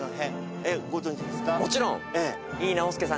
もちろん。